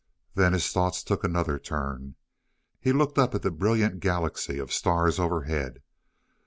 Then his thoughts took another turn. He looked up at the brilliant galaxy of stars overhead.